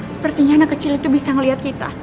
sepertinya anak kecil itu bisa melihat kita